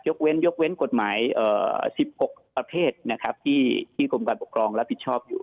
ยกเว้นยกเว้นกฎหมาย๑๖ประเภทนะครับที่ปกติากรมกรรมและผิดชอบอยู่